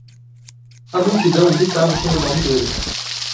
A multidão gritava pelo nome dele.